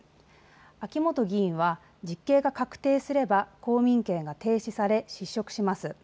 秋元議員は実刑が確定すれば公民権が停止され、失職します。